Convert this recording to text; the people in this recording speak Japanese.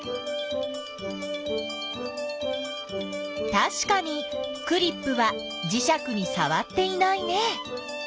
たしかにクリップはじしゃくにさわっていないね。